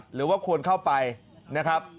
หรือว่าควรเข้าไปนะครับ